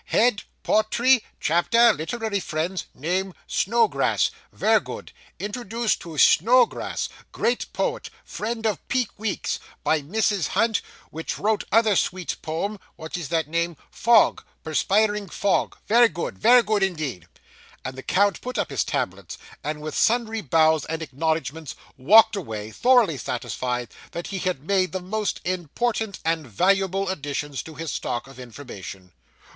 'Head, potry chapter, literary friends name, Snowgrass; ver good. Introduced to Snowgrass great poet, friend of Peek Weeks by Mrs. Hunt, which wrote other sweet poem what is that name? Fog Perspiring Fog ver good ver good indeed.' And the count put up his tablets, and with sundry bows and acknowledgments walked away, thoroughly satisfied that he had made the most important and valuable additions to his stock of information.